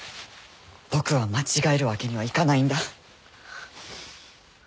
僕は間違えるわけにはいかないんだ。